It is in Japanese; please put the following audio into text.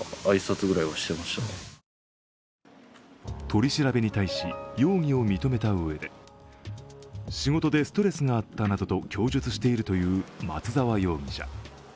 取り調べに対し、容疑を認めたうえで仕事でストレスがあったなどと供述しているという松沢容疑者。